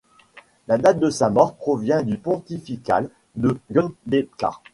La date de sa mort provient du pontifical de Gundekar.